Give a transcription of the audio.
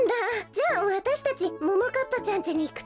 じゃあわたしたちももかっぱちゃんちにいくとちゅうだから。